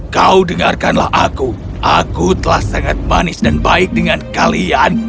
kau dengarkanlah aku aku telah sangat manis dan baik dengan kalian